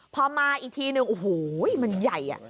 พอมาอีกทีนึงโอ้โหมันใหญ่